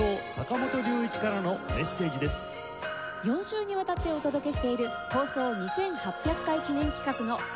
４週にわたってお届けしている放送２８００回記念企画の第２弾です。